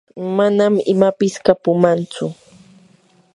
manam imapis kapumanchu.